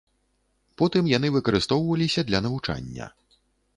Потым яны выкарыстоўваліся для навучання.